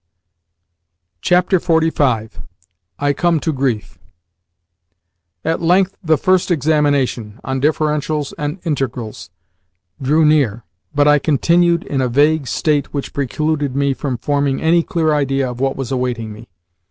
] XLV. I COME TO GRIEF At length the first examination on differentials and integrals drew near, but I continued in a vague state which precluded me from forming any clear idea of what was awaiting me.